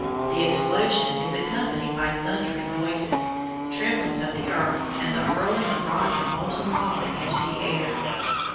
The explosion is accompanied by thundering noises, tremblings of the earth, and the hurling of rock and molten lava into the air.